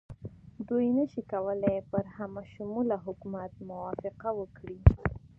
دوی نه شي کولای پر همه شموله حکومت موافقه وکړي.